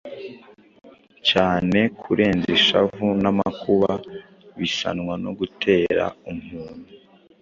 cyane kurenza ishavu n’amakuba bizanwa no gutera umuntu